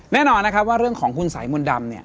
แน่นอนนะครับว่าเรื่องของคุณสายมนต์ดำเนี่ย